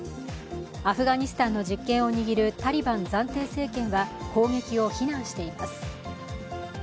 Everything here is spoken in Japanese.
アフガニスタンの実権を握るタリバン暫定政権は攻撃を非難しています。